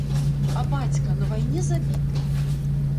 А бацька, на вайне забіты?!